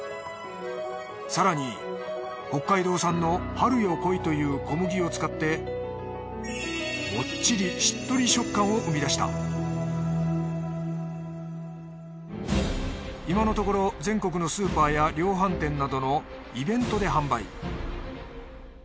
更に北海道産の「春よ恋」という小麦を使ってもっちりしっとり食感を生み出した今のところ全国のスーパーや量販店などのイベントで販売。